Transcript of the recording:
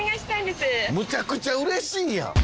むちゃくちゃうれしいやん。